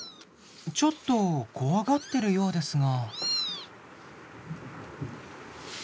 ちょっと怖がってるようですが。